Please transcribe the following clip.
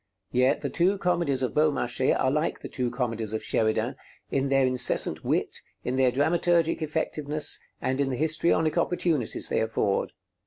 Yet the two comedies of Beaumarchais are like the two comedies of Sheridan in their incessant wit, in their dramaturgic effectiveness, and in the histrionic opportunities they afford.